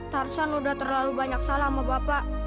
tarzan sudah terlalu banyak salah sama bapak